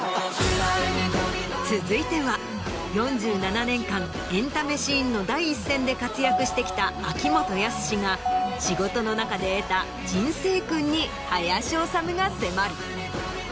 続いては４７年間エンタメシーンの第一線で活躍してきた秋元康が仕事の中で得た人生訓に林修が迫る。